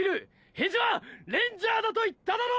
返事はレンジャーだと言っただろう！